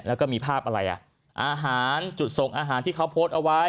แล้วก็มีภาพอะไรอ่ะอาหารจุดส่งอาหารที่เขาโพสต์เอาไว้